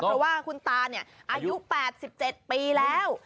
เพราะว่าคุณตาอายุ๘๗ปีแล้ว